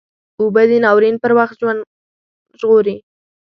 اوبه د ناورین پر وخت ژوند ژغوري